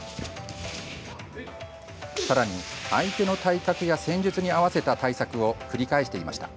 さらに、相手の体格や戦術に合わせた対策を繰り返していました。